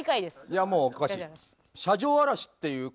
いやもうおかしい。